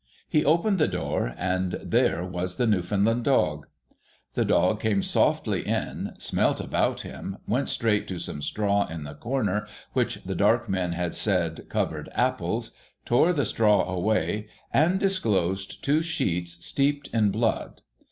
He opened the door, and there was the Newfoundland dog ! The dog came softly in, smelt about him, went straight to some straw in the corner which the dark men had said covered apples, tore the straw away, and disclosed two sheets steeped in blood.